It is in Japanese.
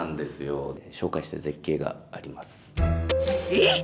えっ！